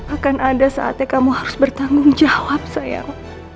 akan ada saatnya kamu harus bertanggung jawab sayang